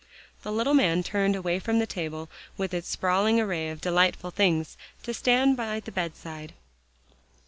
The little man turned away from the table, with its sprawling array of delightful things, to stand by the bedside.